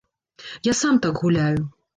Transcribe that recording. Я сам так гуляю.